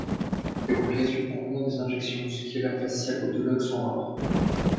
Les complications provenant des injections musculaires faciales autologues sont rares.